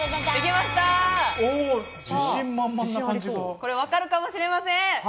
これ、わかるかもしれません。